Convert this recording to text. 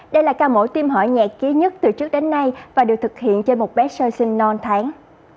đây là ca mổ tim hỏi nhạy ký nhất từ trước đến nay và được thực hiện trên một bé sơ sinh non tháng